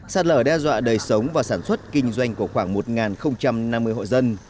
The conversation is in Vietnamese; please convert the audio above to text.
sạt lở đe dọa đời sống và sản xuất kinh doanh của khoảng một năm mươi hộ dân